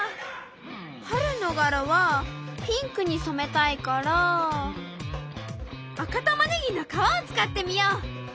春の柄はピンクにそめたいから赤タマネギの皮を使ってみよう。